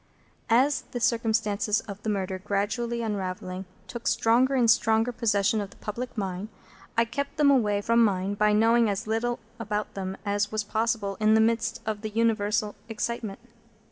As the circumstances of the murder, gradually unravelling, took stronger and stronger possession of the public mind, I kept them away from mine by knowing as little about them as was possible in the midst of the universal excitement.